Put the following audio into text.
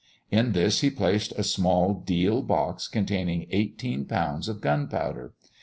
In this he placed a small deal box containing eighteen pounds of gunpowder.